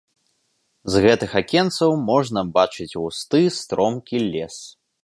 З гэтых акенцаў можна бачыць густы стромкі лес.